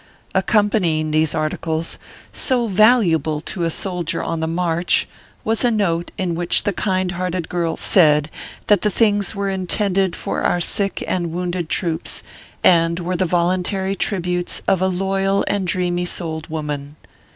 Accom panying these articles, so valuable to a soldier on the march, was a note, in which the kind hearted girl said that the things were intended for our sick and wounded troops, and were the voluntary tributes of a ORPHEUS C. KERR PAPERS. 279 loyal and dreamy souled woman.